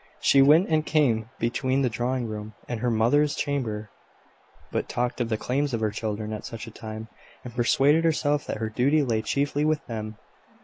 She went and came between the drawing room and her mother's chamber, but talked of the claims of her children at such a time, and persuaded herself that her duty lay chiefly with them.